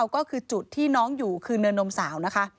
ก็คือจุดที่น้องอยู่คือเนื้อนมสาว